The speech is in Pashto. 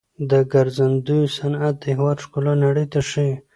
د ګرځندوی صنعت د هیواد ښکلا نړۍ ته ښيي.